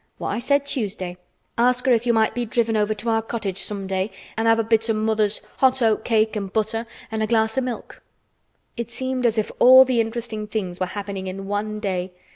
"What I said Tuesday. Ask her if you might be driven over to our cottage some day and have a bit o' mother's hot oat cake, an' butter, an' a glass o' milk." It seemed as if all the interesting things were happening in one day.